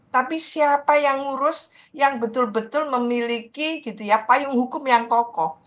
tapi siapa yang ngurus yang betul betul memiliki payung hukum yang kokoh